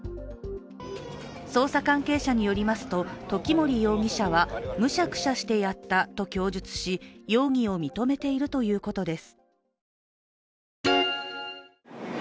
捜査関係者によりますと時森容疑者はむしゃくしゃしてやったと供述し容疑を認めているということです。